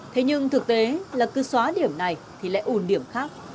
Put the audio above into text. thế nhưng thực tế là cứ xóa điểm này thì lại ùn điểm khác